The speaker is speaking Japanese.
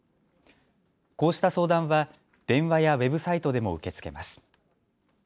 こうした相談は電話やウェブサイトでも受け付けます。